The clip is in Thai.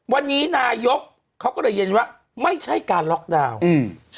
วันนี้นายกเขาก็เลยเย็นว่าไม่ใช่การล็อกดาวน์อืม